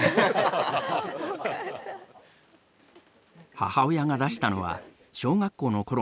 母親が出したのは小学校の頃に描いた絵。